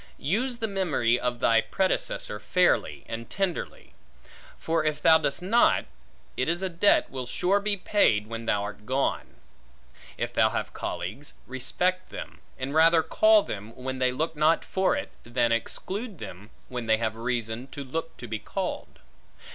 Use the memory of thy predecessor, fairly and tenderly; for if thou dost not, it is a debt will sure be paid when thou art gone. If thou have colleagues, respect them, and rather call them, when they look not for it, than exclude them, when they have reason to look to be called.